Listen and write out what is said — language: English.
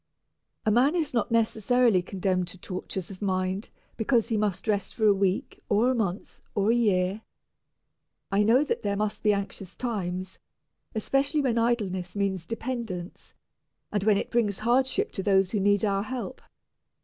A man is not necessarily condemned to tortures of mind because he must rest for a week or a month or a year. I know that there must be anxious times, especially when idleness means dependence, and when it brings hardship to those who need our help.